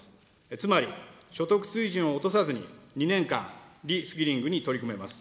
つまり、所得水準を落とさずに２年間、リスキリングに取り組めます。